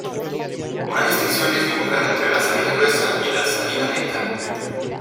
Una distinción es dibujada entre la salida gruesa y la salida neta.